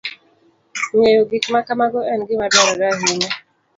Ng'eyo gik ma kamago en gima dwarore ahinya.